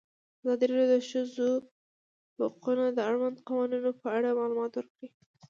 ازادي راډیو د د ښځو حقونه د اړونده قوانینو په اړه معلومات ورکړي.